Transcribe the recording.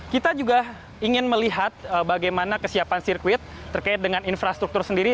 kita juga ingin melihat bagaimana kesiapan sirkuit terkait dengan infrastruktur sendiri